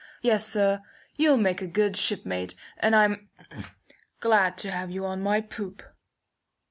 Yes, sir, you'll make a good ship mate, and I'm glad to have you on my poop."